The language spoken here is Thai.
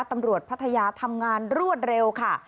พัทยาทำงานรวดเร็วค่ะ